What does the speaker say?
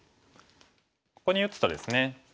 ここに打つとですね